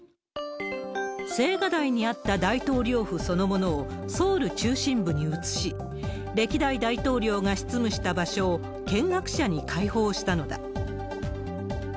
青瓦台にあった大統領府そのものをソウル中心部に移し、歴代大統領が執務した場所を見学者に開放したのだ。